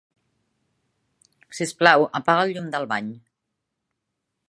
Sisplau, apaga el llum del bany.